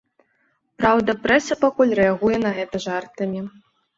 Праўда, прэса пакуль рэагуе на гэта жартамі.